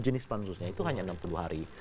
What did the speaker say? jenis pansusnya itu hanya enam puluh hari